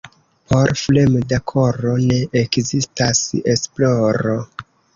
Por fremda koro ne ekzistas esploro.